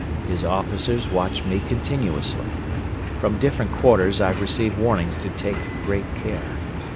His officers watched me continuously. From different quarters I received warnings to take great care.